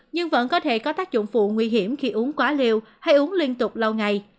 nhưng vẫn có thể có tác dụng phụ nguy hiểm khi uống quá liều hay uống liên tục lâu ngày